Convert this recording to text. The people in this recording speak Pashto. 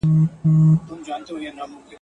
د ژمي په لمر مه نازېږه، د دښمن په خندا.